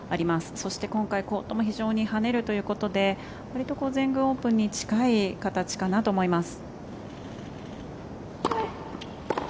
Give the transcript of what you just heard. そして、今回コートも非常に跳ねるということでわりと全豪オープンに近い形かなと思います。